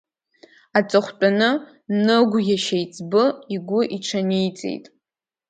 Аҵыхәтәаны Ныгә иашьеиҵбы игәы иҽаниҵеит…